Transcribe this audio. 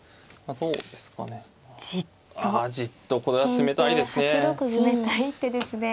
あじっとこれは冷たいですね。